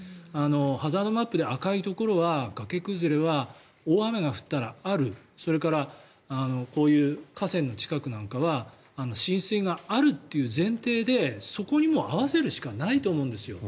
ハザードマップで赤のところは崖崩れは大雨が降ったらあるそれからこういう河川の近くなんかは浸水があるっていう前提でそこにも合わせるしかないと思うんですよ。